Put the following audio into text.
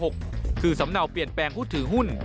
คือสำเนาเปลี่ยนแปลงผู้ถือหุ้น